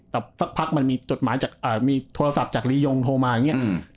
แต่สักพักมันมีโทรศัพท์จากรียงโทรมาอย่างนี้